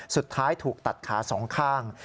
สุดท้ายถูกตัดขาสองข้าง